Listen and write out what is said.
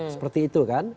seperti itu kan